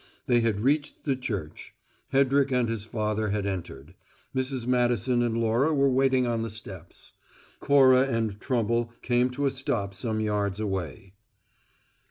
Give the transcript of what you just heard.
They had reached the church; Hedrick and his father had entered; Mrs. Madison and Laura were waiting on the steps. Cora and Trumble came to a stop some yards away.